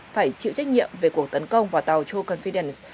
phải chịu trách nhiệm về cuộc tấn công vào tàu choose confidence